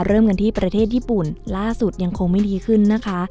เริ่มกันที่ประเทศญี่ปุ่นล่าสุดยังคงไม่ดีขึ้นนะคะ